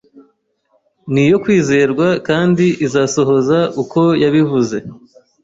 niyo kwizerwa kandi izabisohoza uko yabivuze